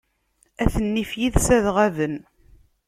At nnif yid-s ad ɣaben.